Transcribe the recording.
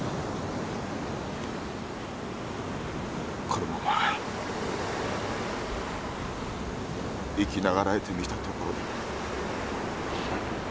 このまま生き長らえてみたところで。